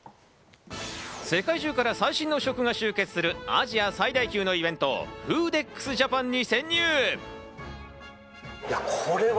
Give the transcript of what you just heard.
世界中から最新の食が集結するアジア最大級のイベント、フーデックスジャパン２０２３に潜入。